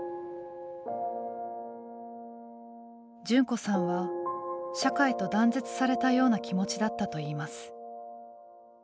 純子さんは社会と断絶されたような気持ちだったといいます。